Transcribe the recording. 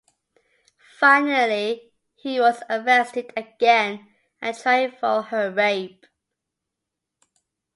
Finally, he was arrested again and tried for her rape.